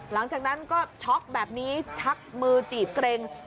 หลังจากนั้นก็ช็อกแบบนี้ชักมือจีบเกร็ง